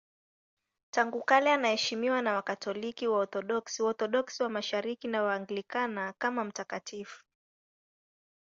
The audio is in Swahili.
Tangu kale anaheshimiwa na Wakatoliki, Waorthodoksi, Waorthodoksi wa Mashariki na Waanglikana kama mtakatifu.